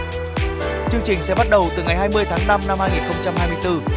bước bốn chương trình sẽ bắt đầu từ ngày hai mươi tháng năm năm hai nghìn hai mươi bốn